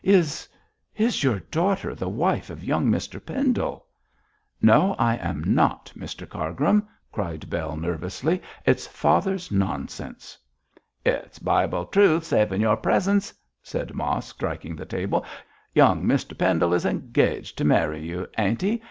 'Is is your daughter the wife of young Mr Pendle?' 'No, I am not, Mr Cargrim,' cried Bell, nervously. 'It's father's nonsense.' 'It's Bible truth, savin' your presence,' said Mosk, striking the table. 'Young Mr Pendle is engaged to marry you, ain't he?